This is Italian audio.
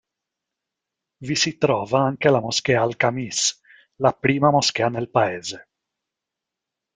Vi si trova anche la Moschea al-Khamis, la prima moschea nel paese.